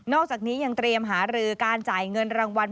อกจากนี้ยังเตรียมหารือการจ่ายเงินรางวัล